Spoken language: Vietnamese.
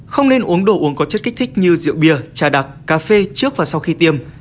không nên uống đồ uống có chất kích thích như rượu bia trà đặc cà phê trước và sau khi tiêm